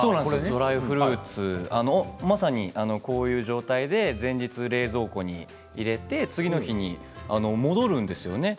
ドライフルーツまさにこういう状態で前日冷蔵庫に入れて次の日に戻るんですよね。